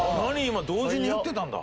今同時にやってたんだ。